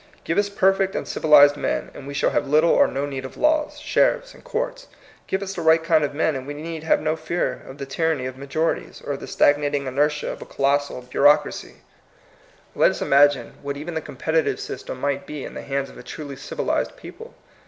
Give us perfect and civilized men, and we shall have little or no need of laws, sheriffs, and courts. Give us the right kind of men, and we need have no fear of the tyranny of majorities, or of the stagnating inertia of a colossal bureaucracy. THE MOTTO OF VICTORY. 173 Let us imagine what even the competi tive system might be in the hands of a truly civilized people.